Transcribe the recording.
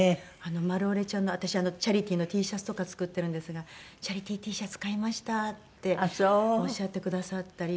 マルオレちゃんの私チャリティーのＴシャツとか作ってるんですが「チャリティーＴシャツ買いました」っておっしゃってくださったり。